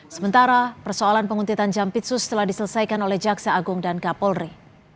sementara persoalan penguntitan jampitsus telah diselesaikan oleh jaksa agung dan kapolri